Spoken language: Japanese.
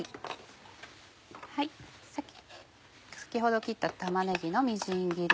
先ほど切った玉ねぎのみじん切り。